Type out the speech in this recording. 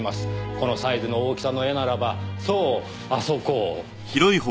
このサイズの大きさの絵ならばそうあそこ。